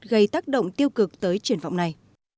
gây tác động tiêu cực tới triển vọng này